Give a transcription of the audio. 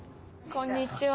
こんにちは。